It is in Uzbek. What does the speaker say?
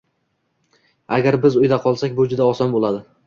Agar biz uyda qolsak, bu juda oson bo'ladi